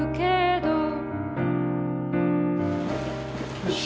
よし。